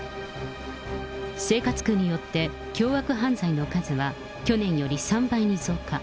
生活苦によって凶悪犯罪の数は去年より３倍に増加。